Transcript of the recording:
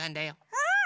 うん！